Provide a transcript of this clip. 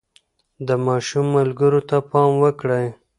د ماشوم ملګرو ته پام وکړئ.